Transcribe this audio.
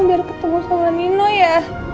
biar ketemu sama nino ya